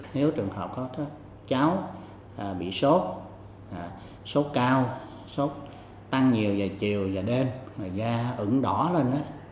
nếu trường hợp có cháu bị sốt sốt cao sốt tăng nhiều dài chiều dài đêm da ứng đỏ lên